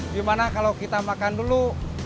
gimana kalau kita makan dulu